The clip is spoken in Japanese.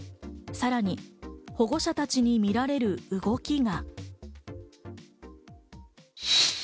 さらに保護者たちに見られる動きが。